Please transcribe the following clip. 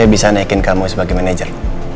saya bisa naikin kamu sebagai manajer